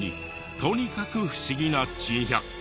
とにかく不思議な珍百景。